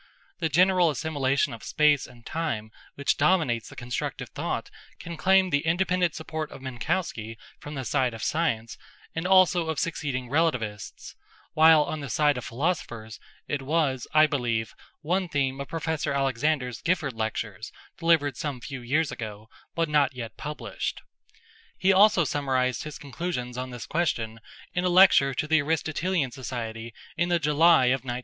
The general assimilation of space and time which dominates the constructive thought can claim the independent support of Minkowski from the side of science and also of succeeding relativists, while on the side of philosophers it was, I believe, one theme of Prof. Alexander's Gifford lectures delivered some few years ago but not yet published. He also summarised his conclusions on this question in a lecture to the Aristotelian Society in the July of 1918.